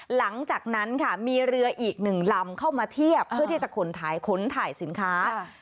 หลังจากนั้นค่ะมีเรืออีกหนึ่งลำเข้ามาเทียบเพื่อที่จะขนถ่ายสินค้า